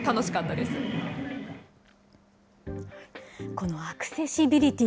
このアクセシビリティ。